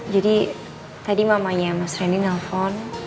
jadi tadi mamanya mas randy nelfon